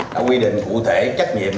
đã quy định cụ thể trách nhiệm